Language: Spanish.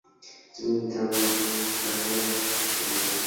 Su primer trabajo fue de cajera en un supermercado.